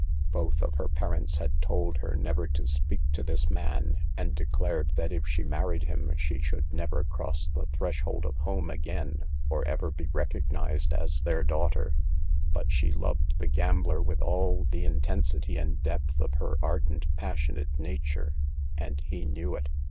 Both of her parents had told THE STOLEN INTERVIEW. THE EVILS OF DANCING. 77 her never to speak to this man, and declared that if she married him she should never cross the threshold of home again, or ever be recog nized as their daughter. But she loved the gambler with all the intensity and depth of her ardent, passionate nature, and he knew it.